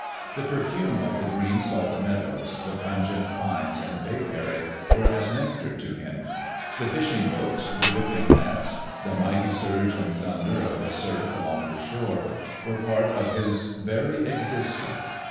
The ])erfume of the green salt meadows, the pungent pines and bayberry were as nectar to him. The fishing boats, the dripping nets, "the mighty surge and thunder of the surf along the shore" were ]iart of his very existence.